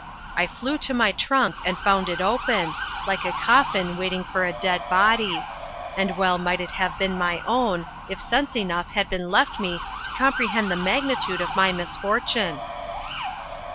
I flew to my trunk, and found it open, like a coffin waiting for a dead body; and well might it have been my own, if sense enough had been left me to comprehend the magnitude of my misfortune.